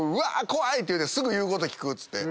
怖い！って言うてすぐ言うこと聞くって。